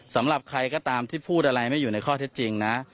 สำหรับใครก็ตามที่พูดอะไรไม่อยู่ในข้อเท็จจริงนะ